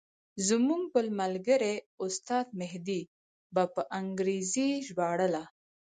زموږ بل ملګري استاد مهدي به په انګریزي ژباړله.